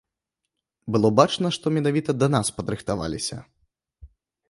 Было бачна, што менавіта да нас падрыхтаваліся.